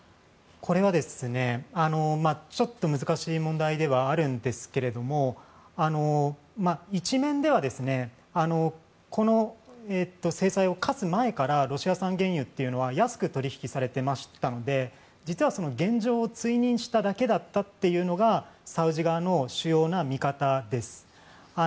これはちょっと難しい問題ではあるんですけれども一面ではこの制裁を科す前からロシア産原油というのは安く取引されていましたので実は、現状を追認しただけだったというのがサウジ側の主要な見方です。